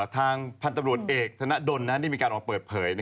ทางพันธุ์ตำรวจเอกธนดลได้มีการออกเปิดเผย